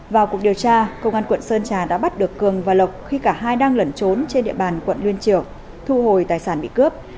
vào cuộc điều tra công an quận sơn trà đã bắt được cường và lộc khi cả hai đang lẩn trốn trên địa bàn quận liên triều thu hồi tài sản bị cướp